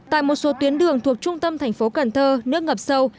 tại một số tuyến đường thuộc trung tâm thành phố cần thơ nước ngập sâu